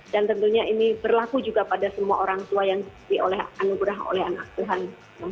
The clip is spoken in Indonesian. dan tentunya ini berlaku juga pada semua orang tua yang diolah anugerah oleh anak tuhan